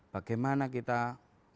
bagaimana kita mengurangi